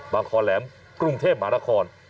คอแหลมกรุงเทพมหานคร